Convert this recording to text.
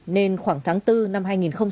nên khoảng tháng bốn năm hai nghìn một mươi chín